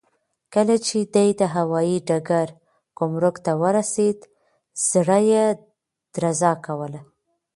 کله چې دی د هوايي ډګر ګمرک ته ورسېد، زړه یې درزا کوله.